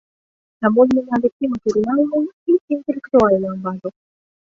Таму змянялі і матэрыяльную, і інтэлектуальную базу.